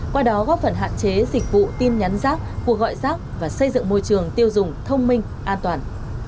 qua đó góp phần hạn chế dịch vụ tin nhắn rác cuộc gọi rác và xây dựng môi trường tiêu dùng thông minh an toàn